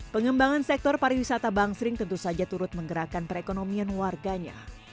pengembangan sektor pariwisata bangsering tentu saja turut menggerakkan perekonomian warganya